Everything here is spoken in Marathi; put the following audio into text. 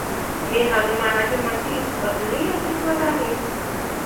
हे हनुमानाचे मंदिर अजुनही अस्तित्वात आहे.